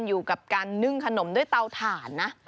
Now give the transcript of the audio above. อยู่กับการนึ่งขนมด้วยเตาถ่านนะ